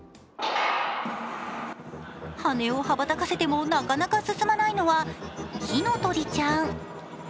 羽を羽ばたかせてもなかなか進まないのは火の鳥ちゃん。